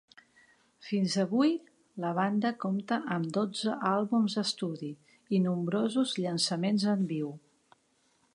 Fins avui, la banda compta amb dotze àlbums d'estudi, i nombrosos llançaments en viu.